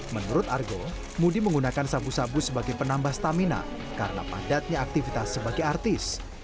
menurut argo moody menggunakan sabu sabu sebagai penambah stamina karena padatnya aktivitas sebagai artis